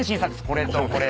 これとこれ。